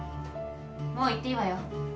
もう行っていいわよ。